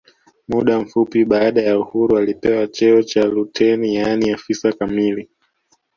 Muda mfupi baada ya uhuru alipewa cheo cha luteni yaani afisa kamili